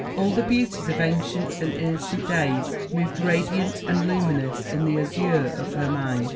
All the beauties of ancient and innocent days moved radiant and luminous in the azure of her mind.